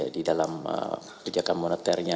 di dalam kebijakan moneternya